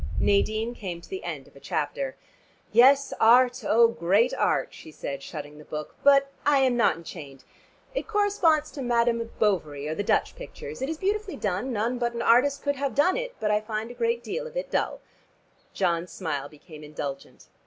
Nadine came to the end of a chapter. "Yes, Art, oh, great Art," she said, shutting the book, "but I am not enchained. It corresponds to Madame Bovary, or the Dutch pictures. It is beautifully done; none but an artist could have done it. But I find a great deal of it dull." John's smile became indulgent.